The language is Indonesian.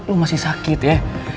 lo masih sakit ya